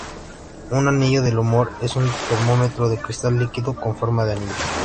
Un anillo del humor es un termómetro de cristal líquido con forma de anillo.